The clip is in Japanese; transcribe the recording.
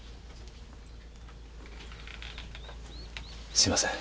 すいません